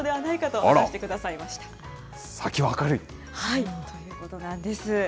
ということなんです。